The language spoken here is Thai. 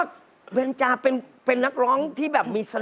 สวยจริงจริงเลยค่ะ